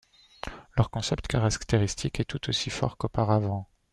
Leur concept caractéristique est tout aussi fort qu'auparavant.